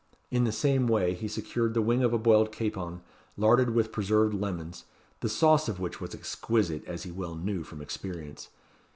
In the same way he secured the wing of a boiled capon, larded with preserved lemons, the sauce of which was exquisite, as he well knew, from experience.